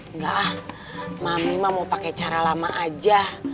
enggak mami mah mau pake cara lama aja